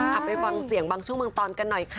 อ่ะไปฟังเสียงบางชั่วเมืองตอนกันหน่อยค่ะ